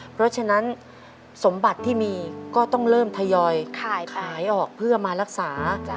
เพราะฉะนั้นสมบัติที่มีก็ต้องเริ่มทยอยขายออกเพื่อมารักษา